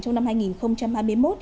trong năm hai nghìn hai mươi một